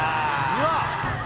うわっ